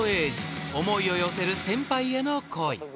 ［思いを寄せる先輩への恋］